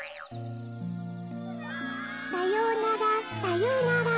「さようならさようなら